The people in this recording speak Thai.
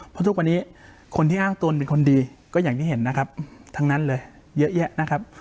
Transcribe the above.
เพราะทุกวันนี้คนที่อ้างตนเป็นคนดีก็อย่างที่เห็นนะครับทั้งนั้นเลยเยอะแยะนะครับ